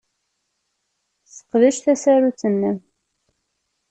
Sseqdec tasarut-nnem.